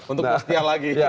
untuk setia lagi